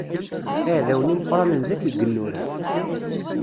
Iɛdawen imeqqranen d at igennuren.